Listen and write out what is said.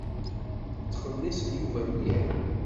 Ttxelliṣen Yuba mliḥ.